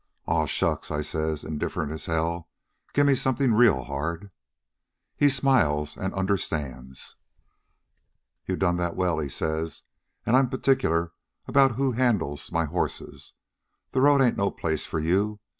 "'Aw, shucks,' I says, indifferent as hell. 'Gimme something real hard.' "He smiles an' understands. "'You done that well,' he says. 'An' I'm particular about who handles my horses. The road ain't no place for you.